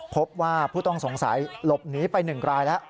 พบว่าผู้ต้องสงสัยหลบหนีไป๑รายแล้ว